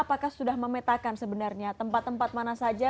apakah sudah memetakan sebenarnya tempat tempat mana saja